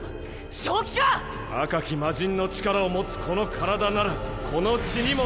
正気か⁉赤き魔神の力を持つこの体ならこの血にも耐え。